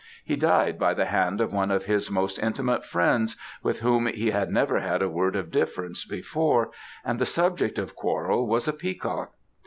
He died by the hand of one of his most intimate friends, with whom he had never had a word of difference before, and the subject of quarrel was a peacock!